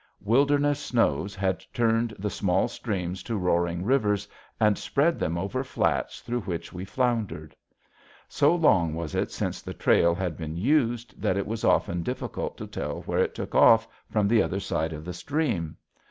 Wilderness snows had turned the small streams to roaring rivers and spread them over flats through which we floundered. So long was it since the trail had been used that it was often difficult to tell where it took off from the other side of the stream.